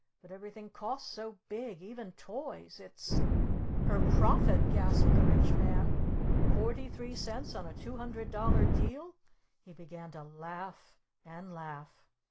But everything costs so big! Even toys! It's " "Her Profit?" gasped the Rich Man. "Forty three cents on a two hundred dollar deal?" He began to laugh! And laugh!